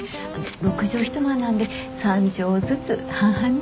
６畳一間なんで３畳ずつ半々に。